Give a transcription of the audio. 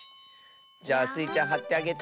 じゃあスイちゃんはってあげて。